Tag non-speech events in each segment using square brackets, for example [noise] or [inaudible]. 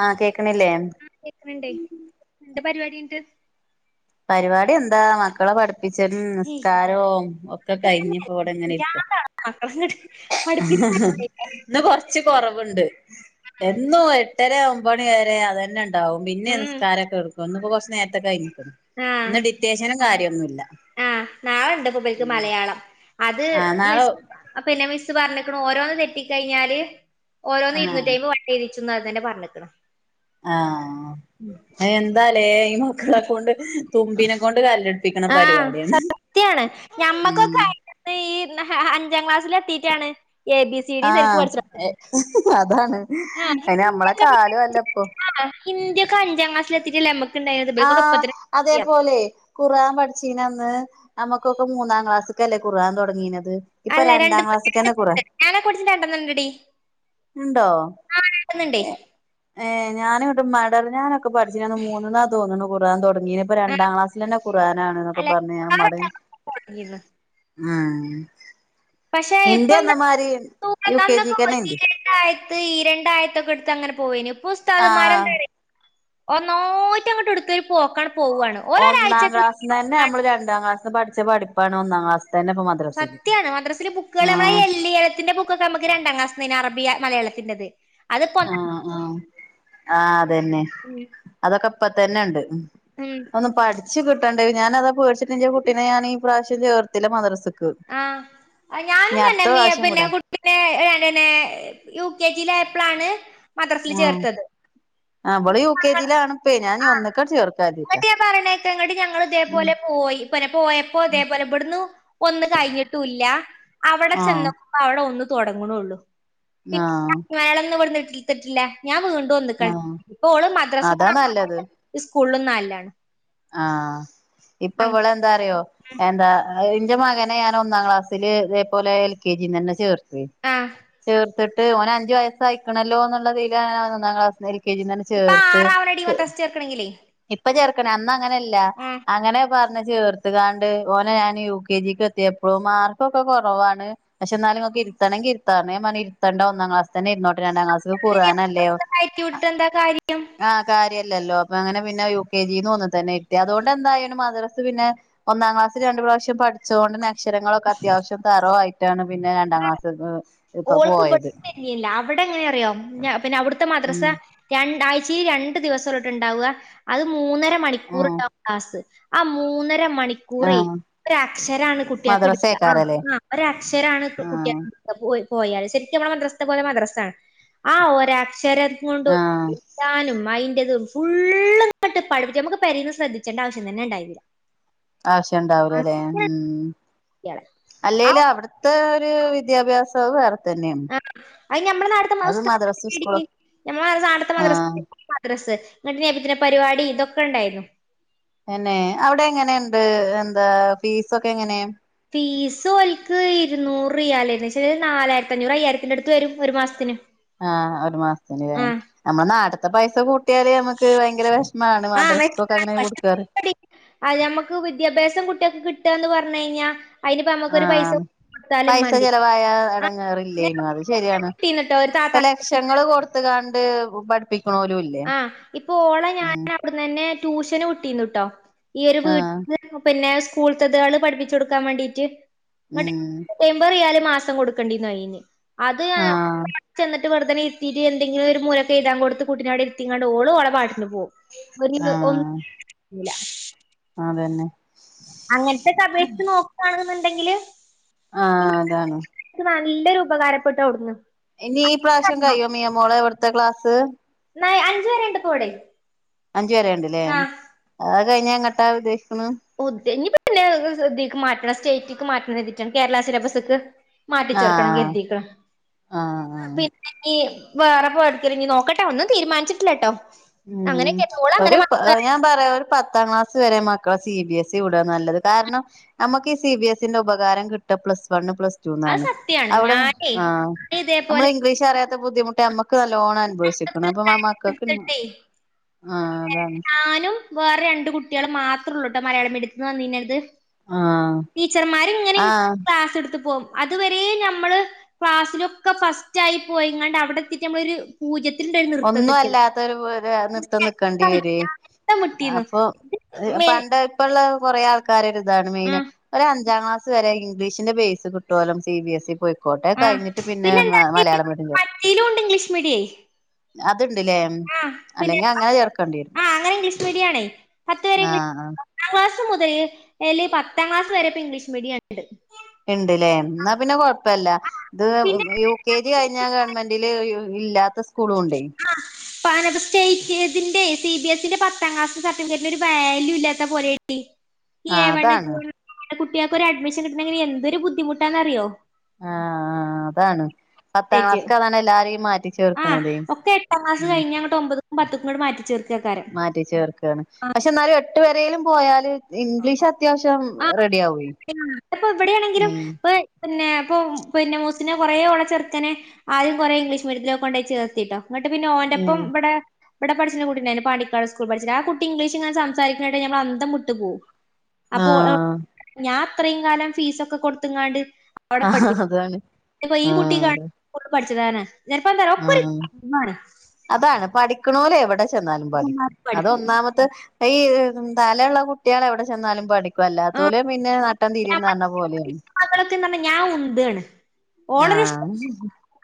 ആഹ കേക്കണില്ലേ പരിവാടി ഇണ്ട് പരിവാട്യെന്താ മക്കളെ പഠ് [unintelligible] ഏയ് നിസ്കാരൂം ഒക്കെ ഇതൊക്കെ തന്നെ കഴിഞ്ഞിപ്പ്വടെ ഇങ്ങനിരിക്ക മക്കളങ്ങട്ട് പഠിപ്പിച്ച് ഇന്ന് കൊറച്ച് കൊറവുണ്ട് എന്നും [unintelligible] എട്ടരൊമ്പണി വരെ അതെന്നെണ്ടാവും പിന്നെ ഉം നിസ്കാരൊക്കെ എടുക്കും ഇന്നിപ്പോ കൊറച്ച് നേരത്തെ കഴിഞ്ഞു ആഹ് ഇന്ന് ഡിറ്റേശനും കാര്യൊന്നുല്ല ആഹ് നാളെണ്ട് പ്പൊ ഇബൽക്ക് ഉം മലയാളം അത് ആഹ് നാളെ മിസ് [inaudible] പിന്നെ മിസ്സ് പറഞ്ഞത് ഓരോന്ന് തെറ്റിക്കഴിഞ്ഞാല് ഓരോന്ന് ആഹ് [unintelligible] ആദ്യം തന്നെ [unintelligible] ആഹ അ എന്താലേ ഈ [unintelligible] കൊണ്ട് തുമ്പിനെക്കൊണ്ട് കല്ലെ ആഹ സത്യാണ് ഉം ഞമ്മക്കൊക്കെ ആയി [inaudible] ന്നീ അഞ്ചാം ക്ലാസ്സില് എത്തീട്ടാണ് ആഹ [unintelligible] അതാണ് ആഹ് അയിനമ്മളെ കാല്വല്ലപ്പൊ ഹിന്ദ്യൊക്കെ അഞ്ചാം ക്ലാസ്സിലെത്തീട്ടെല്ല നമക് ആഹ അതേപോലെ ഖുറാൻ പഠിച്ചീന അന്ന് നമുക്കൊക്ക മൂന്നാം ക്ലാസ്സ്ക്കല്ലെ ഖുറാൻ തൊടങ്ങീണ ത് ഇപ്പൊ അല്ല രണ്ട് രണ്ടാം ക്ലാസ്സ്ക്കെന്നെ രണ്ടെണ്ണണ്ട് ഖുറാൻ ഞാനെ കുറിച്ച് രണ്ടെണ്ണം ഇണ്ടെടി ഉണ്ടോ ആ രണ്ടെണ്ണണ്ടേ എ ഏ ഞാൻ ഇവിടുമ്മാ [unintelligible] ഞാനൊക്കെ പഠിച്ചീനന്ന് മൂന്നിന്നാ തോന്നുണു ഖുറാൻ തൊട ഈനിപ്പോ ആ രണ്ടാം ക്ലാസ്സിലെന്നെ ഖുറാനാണ്ന്നൊക്കെ അല്ല പറഞ്ഞു ഞാന്മാടെ വേറെ ആഹ പക്ഷെ ഇപ്പ [unintelligible] യു കെ അന്നൊക്കെ [unintelligible] ജിക്കെന്നെ ഇണ്ട് ഈരണ്ടായത്ത് ഈരണ്ടായത്തൊക്കെ എടു തങ്ങനെ പോവേനു ഇപ്പുസ്താത് ആഹ് മാരെന്ത [inaudible] ഒന്നോറ്റങ്ങോട്ട് എടുത്തൊരുപോക്കാണ് ഒന്നാം ക്ലാസ്സിതന്നെ നമ്മൾ രണ്ടാം ക്ലാസ്സിന്ന് പഠിച്ച പഠിപ്പാണ് ഒന്നാം ക്ലാസ് സത്യാണ് മദ്രസില് ബുക്കേളമ്മളൈ ആഹ് എല്ലിയളത്തിന്റെ ബുക്കൊക്കെ നമുക്ക് രണ്ടാം ക്ലാസ്നാണോ [unintelligible] അറബിയ മലയാളത്തിന്റെത് ആ ആ ആ അതന്നെ അതൊക്കെ ഇപ്പത്തന്നെണ്ട് ഉം ഒന്ന് പഠിച്ചു കിട്ടണ്ടേ ഞാനതാ പേടിച്ചിട്ട് എൻ്റെ കുട്ടീനെ ഞാൻ ഈ പ്രാവശ്യം ചേർത്തില്ല മദ്രസക്ക് ആഹ ഞാനും ഇനി അടുത്ത തന്നെ മീ പ്രാവശ്യം പിന്നെ വിടാ കുട്ടീന്നെ പിന്നെ പിന്നേ യു കെ ജിയിലയപ്പളാണ്. മദ്രസീൽ ചേർത്തത്. അവൾ യു കെ ജിലാണിപ്പേയ് ഞാൻഞ്ഞി ആഹ് ഒന്ന്ക്കാ ചേർത്തെ എന്നിട്ട് ഞാൻ പറയണേക്ക ഇങ്ങട്ട് ഞങ്ങൾ ഇതേപോലെ പോയി പിന്നെ പോയപ്പോ ഇതേ പോലെ ഇബട്ന്നു ഒന്ന് കഴിഞ്ഞിട്ടൂല്ല അവടെ ആഹ് ചെനോക്കുമ്പോ അവിടെ ഒന്ന് തുടങ്ങ്ണൊള്ളൂ. പിന്നെ ആഹ് [unintelligible] ട്ടില്ല ഞാൻ വീണ്ടും ഒന്ന്ക്കാണ് ആഹ് ഇപ്പോള് മദ്രാസ അതാ [unintelligible] ഇ സ്കൊള്ളിലും നാലിലാണ്. ആഹ ഇപ്പൊ വിളന്താറിയോ? എന്താ ഇന്റെ മകനെ ഞാൻ ഒന്നാം ക്ലാസ്സില് ഇതേപോലെ എൽ കെ ജിന്നെന്നേ ചേർത്തു. ആഹ് തീർത്തിട്ട് ഓന് അഞ്ച് വയസ്സായ്ക്ക് ണല്ലോ എന്നുള്ളതിലാണ് ഞാൻ ഒന്നാം ക്ലാസ്സിലേക് കേ. ജി തന്നെ ഇപ്പൊ ചേർത്ത് ആറാവണടി മദ്രസ ചേർക്കണെങ്കിലേ ഇപ്പ ചേർക്കെണേ അന്ന് അങ്ങനെയല്ല ആഹ് അങ്ങനെ പറഞ് ചേർത്ക്കാണ്ട് ഓനെ ഞാന് യു കെ ജിക്ക് എത്തിപ്പോ മാർക്ഒക്കെ കുറവാണ് പക്ഷേന്നാ [unintelligible] ഞാൻ പറഞ്ഞു ഒന്നാംക്ലാസ് തെന്നെ ഇര്ന്നോട്ടേ രണ്ടാം ക്ലാസ്സ്ക്ക് കുർആനല്ലേ കയറ്റി വിട്ടിട്ട് എന്താ കാര്യം [inaudible] ആ കാര്യം. ഇല്ലല്ലോ അപ്പൊ അങ്ങനെ പിന്നെ യു കെ ജി ന്നും ഒന്ന്തന്നെ ഇര്ത്തി അതൊണ്ട് എന്തായി ഓന് മദ്രസ സ്സ് പിന്നെ ഒന്നാം ക്ലാസ് രണ്ട് പ്രാവശ്യം പഠിച്ചതുകൊണ്ട്ക്ഷരങ്ങളൊക്കെ അത്യാവശ്യം തരവയി് റ്റാണ് പിന്നെ രണ്ടാം ക്ലാസ് [inaudible] ഓൾക്ക് ഇവി പോയത് തന്നെയല്ല അവിടെ എങ്ങനെ അറിയോ പിന്നെ അവു ടുത്തെ മദ്രസ ഉം രണ്ടായ്ച്ച [unintelligible] ഈ ദിവസ്സൊള്ളൂട്ടോ ഇണ്ടാവ അത് മൂന്നര മണിക്കൂർ ഉം ഇണ്ടാവും ക്ലാസ്സ്‌ ആ മൂന്നര അര മണിക്കൂറെയ്. ആഹ് ഒരക്ഷരാണ് കുട്ടിയൾക്ക് ഇട്ക്ക ആ മദ്രസേക്കാരല്ലേ ആ ഒരക്ഷരാണ് ആഹ് കുട്ടിയക്ക് ഇട്ക്ക പോയ് പോയാല് ശരിക്കും മ്മടെ മദ്രസ്തേ പോലെ മദ്രസ ആഒരാ ക്ഷരംക്കൊണ്ട് ആഹ് [unintelligible] ട്ടാനും മൈ ടതും ഫുള്ളും ങ്ങട്ട് പഠിപ്പിച്ചും അമ്മക്ക് പേരിന്ന് ശ്രദ്ധിച്ചണ്ട ആവശ്യം തന്നെ ഇ ണ്ടായീന്നീല. ആവിശ്യണ്ടാവൂലലേ ഉം. കുട്ടികളെ ആ അല്ലേലും അവിട്ത്തെ ഒര് വിദ്യാഭ്യാസം അത് വേറെ തന്നെണ്. ആ അത് ഞമ്മടെ നാട്ട്ത്തെ ആഹ് [unintelligible] മദ്രസ്സ് ഇങ്ങട്ട് നബിദിന പരിപാടി ഇതൊക്കെണ്ടായിരുന്നു. തെന്നെ അവിടെ എങ്ങനെണ്ട് എന്താ ഫീസൊക്കെ എങ്ങനെ? ഫീസ് ഓല്ക്ക് ഇര്നൂർ റിയാലേനി പശേ നാലായിരത്തി അഞ്ഞൂറ് അയ്യായിരത്തിന്റടുത്തു വെരും ഒരു മാസത്തിന് ആഹ് ഒരു മാസത്തിന് ലേ ആഹ് നമ്മള് നാട്ട്ത്തെ പൈസ കൂട്ട ട്ടിയാല് ഞമ്മക്ക് ഭയങ്കര വെഷ്മാണ് മദ്രസക്കൊക്കെ അങ്ങനെ കൊടുക്കാറ് അ ഞമ്മക്ക് വിദ്യാഭ്യാസം കുട്ട്യാക്ക് കിട്ടാന്ന് പറഞ്ഞയിഞ അയിനിപ്പോ ഞമ്മക്കൊരു പൈസ ആഹ് കൊടുത്താലും പൈസ മതി ചെലവായ എടങ്ങേറില്ലേനു അത് ശരിയാണ്. വിട്ടീന്ന്ട്ടോ ഒരു ഇപ്പൊ താത്താക്ക് ലക്ഷങ്ങൾ കൊടുത്ത്ക്കാണ്ട് [unintelligible] പഠിപ്പിക് ആ ഇപ്പൊ ഓളെ ഞാനവിട്ന്നെന്നെ ട്യൂഷന് വിട്ടീന്നുട്ടോ, ഈയൊര ആഹ് വീട്ടില് പിന്നെ സ്കൂൾത്തതാള് പഠിപ്പിച്ചു കൊടുക്കാൻ വേണ്ടീട്ട് ന്നട്ട് ഉം എംബത് റിയാല് മാസം കൊടുക്കേണ്ടിന്നു അയ്ന്. അത് ആഹ് [unintelligible] വെർതനേ ഇര്ത്തീട്ട്, എന്തെങ്കിലും ഒരു മൂലക്കെ എഴുതാൻ കൊട്ത്ത് കുട്ടിനെ അവ്ടെ ഇര്തിക്കാണ്ട് ഓൾ ഓളെ പാട്ടി പോവും ഒര് ഒന്നും ആഹ് [unintelligible] ല അതന്നെ അങ്ങൻത്തൊക്കെ അപേക്ഷിച്ച് നോക്കാണെന്നുണ്ടെങ്കില് ആ ഈ അതാണ്. മക്കക്ക് നല്ലൊരു ഉപകാരപ്പെട്ടു അവുട്ന്ന്. ഇനി ഈ പ്രാവശ്യം കഴിയോ മിയമോളെ അവിടുത്തെ ക്ലാസ്? ന്നാ അഞ്ച് വരേണ്ട്പ്പവടേ. അഞ്ച് വരേണ്ട് ലേ. അഹ് കഴിഞ്ഞ എങ്ങട്ടാ ഉദ്ദേ ഉദ്ദേ ഇഞ്ഞ്പിന്നെ ഇതീക്ക്മാറ്റണം, സ്റ്റേറ്റ്ക്ക് മാറ്റണം കെര്തീട്ടാണ് കേരള സിലബസ്ക്ക് മാറ്റിച്ചേർക്കണം ആഹ് കെര്തീക്ക്ണ്. ആഹ് ആഹ് പിന്നെഞ്ഞി വേറെപ്പോ എവുട്ക്കെങ്കിലും നോക്കട്ടെ ഒന്നും തീരുമാനിച്ചിട്ടില്ലട്ടോ. ഉം അങ്ങനെയൊക്കെ ഓള് ഒരു അങ്ങനെ പ മാത്ര ഞാൻ പറയാ ഒരു പത്താം ക്ലാസ് ചെറിയെ മക്കളെ സി ബിഎസ് ഇ വിടാ നല്ലത് കാരണം, നമുക്ക് ഈ സി ബിഎസ്സിന്റെ ഉപകാരം കിട്ട പ്ലസ് വണ്ണ് അത് പ്ലസ്ടൂന്നാണ്. സത്യാണ്. അവിടെ ഞാനേ ആ ഞാന് ഇതേപോലെ നമ്മളെ ഇംഗ്ലീഷ് അറിയാത്ത ബുദ്ധിമുട്ട് അമ്മക്ക് നല്ലോണം അനുഭവിച്ച്ക്ക്ണ്. അപ്പൊ മക്കക്ക് എടുത്തിട്ടേ ഞാനും വേറെ രണ്ട് കുട്യേളും മാത്രൊള്ളൂട്ടോ മലയാളം മീഡിയത്ത്ന്ന് വന്നീന്നത്. ആഹ് ടീച്ചർമാര്ങ്ങനെ ആഹ് [inaudible] ക്ലാസ്ട്ത്ത് പോകും. അതുവരെ നമ്മള് ക്ലാസ്സിലൊക്കെ ഫസ്റ്റായി പോയിങ്ങാണ്ട് അവിടെത്തീട്ട് നമ്മളൊരു പൂജൃ ഒന്നും അല്ലാത്ത ഒര് ഒര് നൃത്തം നി ക്കണ്ടി വരയ് വിട്ടിരുന്നു. അപ്പൊ ഇത് മെ പണ്ട് ഇപ്പള്ള കൊറേ ആൾക്കാര് [inaudible] [inaudible] താണ് ആ മെയിന്, ഒരഅഞ്ചാ ക്ലാസ് വരെ ഇംഗ്ലീഷിന്റെ ബേ കുട്ടോലം സി ബി എസ് ഇ പോയിക്കോട്ടെ. ആ കഴിഞ്ഞിട്ട് പിന്നെ പിന്നെന്താ മലയാളം മീഡിയം ചേർക്ക മറ്റേലും ഉണ്ട് ഇംഗ്ലീഷ് മീഡിയേ. അത്ണ്ടിലേ ആ പിന്നെ അല്ലെങ്ങി അങ്ങനെ ചേർക്കേണ്ടിരു ആ അങ്ങനെ ഇംഗ്ളീഷ് മീഡിയാണെ പത്ത് വരെ ഇഗ്ളി ആഹ് ക്ലാസ്സ്‌ മുതല് അല് പത്താം ക്ലാസ് വരെ പ്പ ഇംഗ്ലീഷ് മീഡിയണ്ട്. ണ്ട്ല്ല എന്നാ പിന്നെ കൊഴപ്പല്ല ത് പിന്നെ യു കെ ജി കഴിഞ്ഞാ ഗവൺമെന്റില് ഇല്ലാത്ത സ്കൂളുണ്ടേ പാന സ്റ്റേറ്റ് ഇതിന്റെ സി ബി എസ്സിന്റെ പത്താം ക്ലാസ് സർട്ടിഫിക്കറ്റിലൊരു വാല്യൂ ഇല്ലാത്ത പോലെയീ ഈ ആഹ് എവണ്ണ അതാണ് ജ കുട്ടികൾക്കൊ അഡ്മിഷൻ കിട്ടണെങ്കി എന്തൊരു ബുദ്ധിമുട്ടാന്ന്റിയോ? ആ ആ അതാണ്. പത്താം സ്റ്റേറ്റ് ക്ലാസ്ക്ക അതാണ് എല്ലാരിം ഈ ആ മാറ്റിച്ചേർക്ക്ണതേ ഉം ബത്തും കൊണ്ട് മാറ്റി ചേർക്ക് മാറ്റി ചേർക്കാണ്. പക്ഷെ ന്നാലും എട്ടു വരേലും പോയാല് ആ ഇംഗ്ലീഷ് അത്യാവശ്യം ആ റെഡി യാവൊയി ഇപ്പൊ ഇവിടെയാണെങ്കിലും ഉം ഇപ്പൊ പിന്നെ ഇപ്പൊ പിന്നെ മൂസിനെ കൊറേ ഓളെ ചെറുക്കനെ ആദ്യം കുറേ ഇംഗ്ലീഷ് മീഡിയത്തിലൊക്കെ കൊണ്ട് ചേർത്തിട്ടോ ങ്ങട്ട് പിന്നെ ഓന്റെപ്പം ഉം വ്ടേ ഇവിടെ പഠിച്ചേന്നകുട്ടിണ്ടായിര്ന്നു. പാണ്ടിക്കാട് സ്കൂളിപഠിച്ചത്. ആ കുട്ടി ഇംഗ്ളീഷിങ്ങനെ സംസാരിക്ക്ണേട്ട ഞമ്മൾ അന്തംവ്ട്ട് പോവും. അപ്പോ ആഹ് ഞാൻ അത്രയും കാലം ഫീസൊക്കെ കൊടുത്ത്ങ്ങാണ്ട് അവിടെ ആഹ് പഠി അതാണ് ഈ കുട്ടി ആഹ് ഗവൻ അതെ പഠിച്ചതാണ്. [unintelligible] മാണി ന്നോലെവിടെ ചെന്നാലും പഠിക്കും പഠിക്കും അതൊന്നാമത്തെ ഈ തല ള്ള കുട്ട്യേളെവിടെ ചെന്നാലും ആ പഠിക്കുവല്ലാത്തോല് പിന്നെ നട്ടം തിരിന്ന് പറഞ്ഞ പോലെ. മക്കളൊക്കെ ന്നാ ഞാൻ ഉന്താണ്. ഓള ഷ് ആഹ്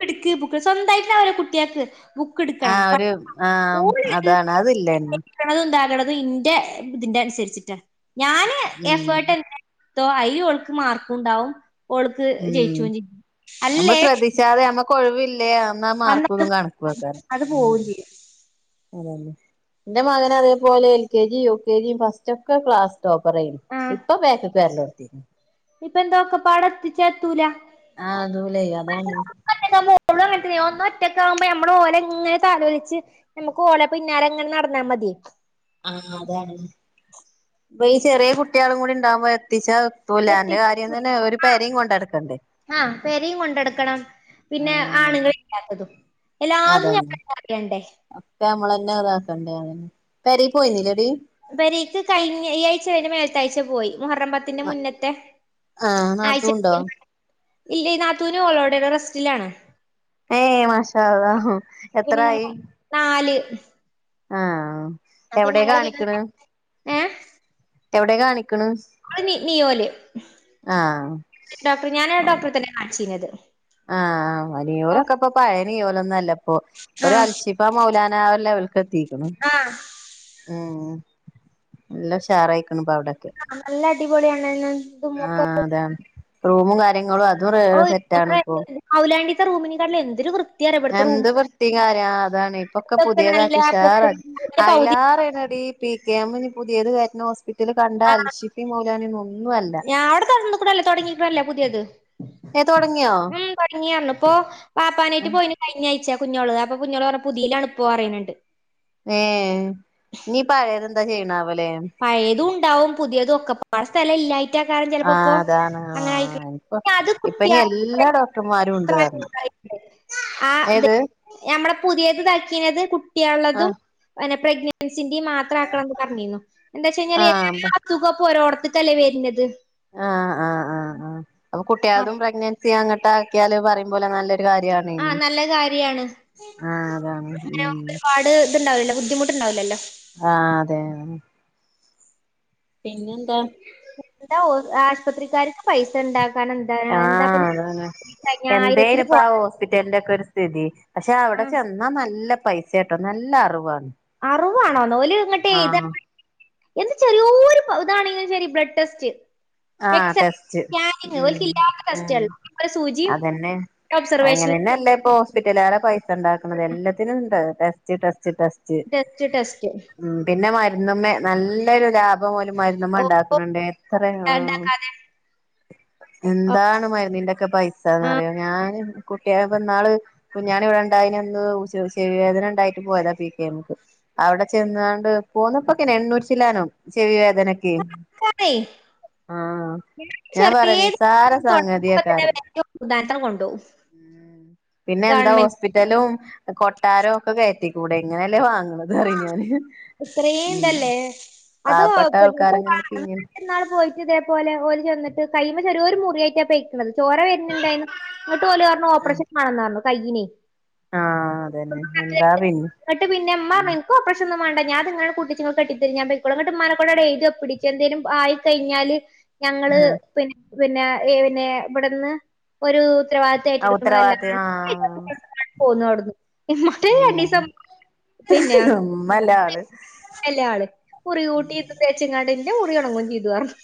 ബുക്ക്‌ട്ക്ക് ബുക്ക്‌ സ്വന്തായിട്ടാവൂല്ല കുട്യേൾക്ക് ബുക്ക്ട്ക്കണം ആഹ് പ ഒരു ആഹ് ഓള് അതാണ് അതില്ലന്നെ ന്താകണ് ഇന്റെ തിന്റെ അനുസരിച്ചിട്ട ഞാന് ഉം എഫേർട്ട് എട്ക്ക്ണേ തോ അയി ലോൾക്ക് മാർക്കു ണ്ടാവും ഓൾക്ക് ഉം ജയിച്ചൂ ചെയ്യും അല്ലേ? കൊഴിവില്ലേ എന്ന അന്നത് മാർക്കൊതും കണക്കൊയ്കാരം. അത് പോവുകയും ചെയ്യും അതല്ലേ? ന്റെ മകനെ അതേപോലെ എൽ കെ ജിം യു കെ ജിം ഫസ്റ്റൊക്കെ ക്ലാസ് ടോപ്പറേര്ന്നു. ഇപ്പ ബേക്ക് ക് വെ [unintelligible] ഇപ്പെന്താ ഒക്കെ പ്പാടെ എത്തിച്ചാത്തൂല. ആ അതോലെ അതാണ്. [unintelligible] ഒന്നൊറ്റക്കാവുമ്പോ നമ്മൾ ഓലെങ്ങനെ താലോലിച്ച് നമുക്ക് ഓല പിന്നാലെങ്ങനെ നടന്നാ മതി. ആ അതാണ്. ഇപ്പ ഈ ചെറിയ കുട്യേളും കൂടി ണ്ടാവുമ്പോ എത്തിച്ചാ പു എത്തി ലാന്റെ കാര്യം തന്നെ ഒരു ആ പരീം കൊണ്ടടുക്കണ്ടേ? ആഹ് പെരയും കൊണ്ടെടുക്കണം പിന്നെ ആണുങ്ങ ളില്ലാത്തതും. അതന്നെ ഒക്കെ നമ്മള് തന്നെ താക്കണ്ടേ. അതന്നെ പെരീ പോയിര്ന്നില്ലെടീ? പെരേക്ക് കഴിഞ്ഞ ഈ ആഴ്ചേൻ്റെ മേൽത്താഴ്ച പോയി. മുഹററംമ്പത്തിന്റെ മുന്നത്തെ ആഹ് ആയ്ച്ച നാത്തൂണ്ടോ പോയി. ഇല്ല ഈ നാത്തൂനോളോടേണ് റസ്റ്റിലാണ്. ഏ മാഷാ അള്ളാ [unintelligible] നാല് ആ അപ്പൊ എവിടെ ഞങ്ങള് പിന്നെ കാണിക്ക്ണ് ഏഹ് എവിടെ കാണി നിയോല് ആഹ് ഡോക്ടർ ഞാന ഡോക്ടറെ തന്നെ കാണിച്ചിരുന്നത് ആഹ് നിയോലൊക്കെ ഇപ്പൊ പഴയ നിയോലൊന്നുല്ല. പ്പോ ഇപ്പ ഒരു ആഹ് അൽശിഫ മൗലാന ലെവലക്ക് എത്തിക്കുണ് ആഹ് ഉം എല്ലാഷാറായി അവിടേക്കെ നല്ല അടിപൊളിയാണ്ന്ന് ഇതും ആ ഒക്കെ അതാ റൂം കാര്യൊക്കെ കാര്യങ്ങളും അതും സെറ്റ് ആണ്. മൌലാന ത്തെ റൂമിനെക്കാട്ടിലും എന്തൊരു വൃത്തി എന്ത് വൃത്തി കാരം അതാണ് ഇപ്പൊക്കെ ഇതൊക്കെ നല്ല പുതിയതാക്കി ഉഷാറാ പൊക്ക പൗതി അയിലേറെണടി പി കെ എം ഇനി പുതിയത് കയറ്റുന്ന ഹോസ്പിറ്റൽ ഇതിൽ കണ്ട ആ അൽഷിഫ മൗലാന ന്നൊന്നും അല്ല ഞാൻ അവിടെ തൊറന്ന്ക്ക്ണല്ലോ തൊടങ്ങീക്ക്ണല്ലോ പുതിയത് ഏഹ് തൊടങ്ങിയോ ഉം തുടങ്ങിയരുന്നു ഇപ്പൊ വാപ്പാനെയിട്ട് പോയിന് കഴിഞ്ഞ ആഴ്ച്ച. കുഞ്ഞോള് അപ്പൊ കുഞ്ഞോള് പറഞ്ഞു പുതിയിൽ ആണ് ഇപ്പോ പറയുന്നുണ്ട് ഏ ഈ പഴയത് എന്താ ചെയ്യണാവോ? പഴയതും ഉണ്ടാവും പുതിയതും ഒക്കെ പാടെ സ്ഥലം ഇല്ലായി ല്ലാഞ്ഞിട്ടാകും ചെലപ്പോ ഇപ്പോ ആഹ് അതാണ് അങ്ങനെ ആയി ആഹ് ഇപ്പൊ അത് ഇപ്പൊ ഇനി കുട്ടാളുടെ എല്ലാ ഡോക്ടർമാരും ഉണ്ട് പറഞ്ഞ് പ്രൈവറ്റ്.... ആ ത് ഏത് നമ്മളെ പുതിയത് താക്കിയത് കുട്ടിയാള്ളതും ആഹ് പിന്നെ പ്രഗ്നൻസിന്റെയും മാത്രം ആക്കണന്ന് പറഞ്ഞിരുന്നു. എന്താന്ന് ച്ച് കഴിഞ്ഞാൽ ആഹ് എല്ലാ അസുഖപ്പൊ ഒരോടത്തക്കല്ലേ വരുന്നത്. ആഹ് ആഹ് ആഹ് ആഹ് അപ്പൊ കുട്ടികളതും പ്രഗ്നൻസി അങ്ങട്ട് ആക്കിയാല് പറയുംപോലെ പോലെ നല്ല ഒര് ആഹ നല്ല കാര്യാണ് ആഹ് അതാണ് അങ്ങനെ ഉം ഒരുപാട് ഇത്ണ്ടാവല്ലോ.. ബുദ്ധിമുട്ടുണ്ടാവില്ലല്ലോ.. ആഹ അതെ പിന്നെ എന്താ ന്ത ഓ ആശുപത്രിക്കാർക്ക് പൈസ ഉണ്ടാക്ക.. ആഹ അതാണ് എന്തേനു ആയിരത്തില് ഇപ്പ കൊറ ആ ഹോസ്പിറ്റലിന്റെ ഒക്കെ ഒര് സ്ഥിതി പക്ഷെ അവിടെ ചെന്നാ നല്ല പൈസ കെട്ടോ നല്ല അറുവാണ്. അറുവാണോ നോല് ഇങ്ങട്ട് എഴുതാ എന്ത് ചെറിയൊരു ഇതാണെങ്കിലും ശരി ബ്ലഡ് ടെസ്റ്റ്. ആ എക്സ് ടെസ്റ്റ് സ്കാനിങ് ഓൽക്ക് ഉം ഇല്ലാത്ത ഉം ടെസ്റ്റുകള് ഒരു സൂചിയും അതന്നെ അങ്ങനെ ഒബ്സർവേഷൻ തന്നെ അല്ല ഇപ്പ ഹോസ്പിറ്റാൽ പൈസ ഉണ്ടാക്കണത് എല്ലാത്തിനും ഇ test test test test test പിന്നെ മരിച്ച മരുന്ന് മ്മെ നല്ലൊരു ലാഭം ഓല് മരുന്ന് മ്മെ ഓ ഉണ്ടാക്കുന്നുണ്ട് എത്ര യാ ആ ഇണ്ടാക്കാതെ ഒക്കെ എന്താണ് മരുന്നിന്റെക്കെ പൈസന്നറിയോ ഞാൻ കൂട്ടിയപ്പ ന്നാള് കുഞാണി ഇവിടെണ്ടായിനന്ന് ചെവിവേദന ണ്ടായിട്ട് പോയതാ പി കെ എം അവിടെ ചെന്നാണ്ട് പോന്നപ്പക്കിന് എണ്ണൂറ്റി ചില്ലാനം ചെവി അതിനൊക്കെ [unintelligible] ചെറീ വേദന തുടങ്ങ്പതിന് തന്നെ സംഗതിയേക്കാരം വേഗം കൊണ്ടുപോവും പിന്നെ എന്താ ഹോസ്പിറ്റലും കൊട്ടാരവും ഒക്കെ കയറ്റി കൂടെ ഇങ്ങനെയല്ലേ വാങ്ങ അതറി ഞാന് ഉം അത് പാവപ്പെട്ട പിന്നെ ആൾക്കാരങ്ങനെ പിഴിഞ്ഞ് ഇപ്പ നാള് പോയിട്ട് ഇതെ അത് പോലെ ഓല് ചെന്നിട്ട് കൈയിമ്മെ ചെറേ ഒരു മുറിയായിട്ടാ പെയ്ക്കണത് ചോര വരുന്നണ്ടായിന്ന് ഇങ്ങോട്ട് ഓല് പറഞ്ഞു ഓപ്പറേഷൻ വേണന്നു പറഞ്ഞു കൈയിൻ. ആഹ അതന്നെ എന്താ പിന്നെ ന്നും വേണ്ട ഞാൻ അതങ്ങനെ കട്ടിച്ച കെട്ടിതര ഞാന് പൊയ്‌ക്കോളാ ന്ന് ട്ട് ഉമ്മാനെ കൊണ്ട് എഴുതി ഒപ്പ് ടീച്ച് എന്തേലും ആയി കഴഞ്ഞാല്- ഞങ്ങള് ആഹ് പിന്നെ പിന്നെ പിന്നെ ഇവിടുന്ന് ഒരു ഉത്തരവാദിത്തം ആ ഏറ്റെടുക്കണ എല്ല ഉത്തരവാദിത്തം ആഹ് പോന്നവിടന്ന് എന്നിട്ട് ഉം രണ്ടീസം പിന്നെ ഉമ്മല്ല ആള് അല്ല ആള് കുറി ൂട്ടി തേച്ചങ്ങ ന്റെ മുറി ഉണങ്ങും ചെയ്ത് അറഞ്ഞു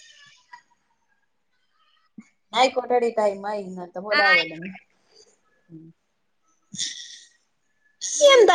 ന്ന അയ്ക്കെട്ടേടീ ടൈം ആയി ന്നലത്തെ ആഹ് പോലാവും യി എന്താ